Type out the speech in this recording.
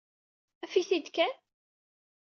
Af-it-id kan.